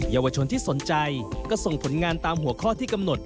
เยาวชนที่สนใจก็ส่งผลงานตามหัวข้อที่กำหนด